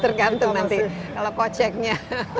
tergantung nanti kalau koceknya